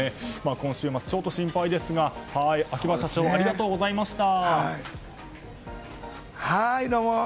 今週末、ちょっと心配ですが秋葉社長ありがとうございました。